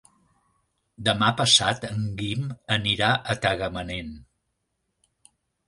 Demà passat en Guim anirà a Tagamanent.